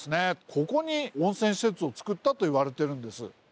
ここに温泉施設をつくったといわれてるんです。